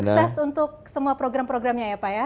sukses untuk semua program programnya ya pak ya